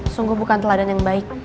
sungguh bukan teladan yang baik